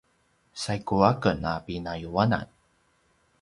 saigu aken a pinayuanan